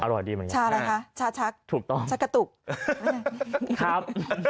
อร่อยดีมากยังไงครับชาอะไรคะชาชักชักกระตุกไม่ได้ครับ